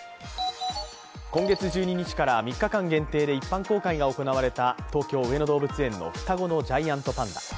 今月１２日から３日間限定で一般公開が行われた東京・上野動物園の双子のジャイアントパンダ。